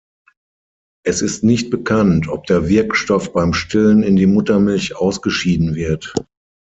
Es ist nicht bekannt, ob der Wirkstoff beim Stillen in die Muttermilch ausgeschieden wird.